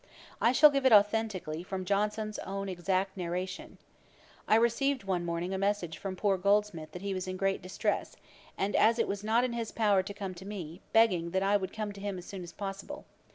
I shall give it authentically from Johnson's own exact narration: 'I received one morning a message from poor Goldsmith that he was in great distress, and as it was not in his power to come to me, begging that I would come to him as soon as possible.